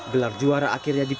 gelar juara akhirnya dipanggil